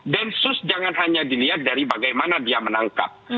densus jangan hanya dilihat dari bagaimana dia menangkap